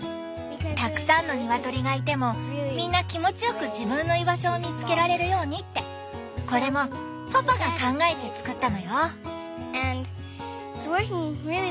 たくさんのニワトリがいてもみんな気持ちよく自分の居場所を見つけられるようにってこれもパパが考えて作ったのよ！